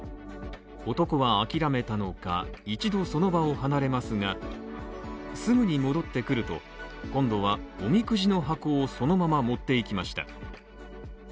男は諦めたのか、一度その場を離れますが、すぐに戻ってくると、今度はおみくじの箱をそのまま持っていきました